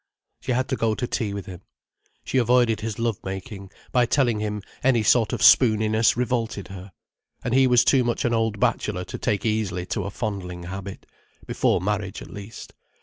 She had to go to tea with him. She avoided his love making, by telling him any sort of spooniness revolted her. And he was too much an old bachelor to take easily to a fondling habit—before marriage, at least.